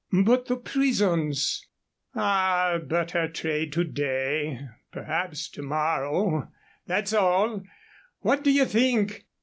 "But the prisons?" "Are but her trade to day perhaps to morrow that's all. What do ye think?